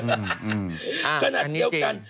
อ้าวอันนี้จริงขนาดเดียวกัน